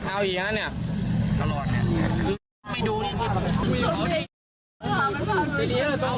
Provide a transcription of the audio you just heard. ครับครับ